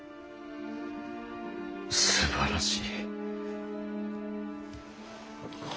すばらしい。